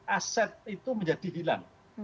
aset itu menjadi hilang